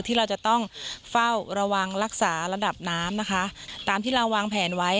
ที่เราจะต้องเฝ้าระวังรักษาระดับน้ำนะคะตามที่เราวางแผนไว้